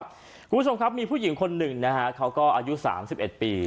คุณผู้ชมครับมีผู้หญิงคนหนึ่งนะฮะเขาก็อายุ๓๑ปี